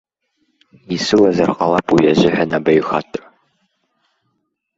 Исылазар ҟалап уи азыҳәан абаҩхатәра.